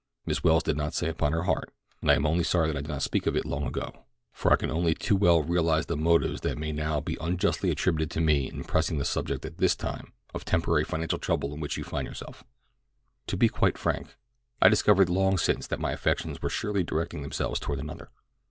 "—Miss Welles did not say upon her heart—"and I am only sorry that I did not speak of it long ago, for I can only too well realize the motives that may now be unjustly attributed to me in pressing the subject at this time of temporary financial trouble in which you find yourself. "To be quite frank, I discovered long since that my affections were surely directing themselves toward another.